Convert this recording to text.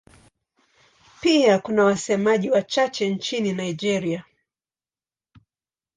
Pia kuna wasemaji wachache nchini Nigeria.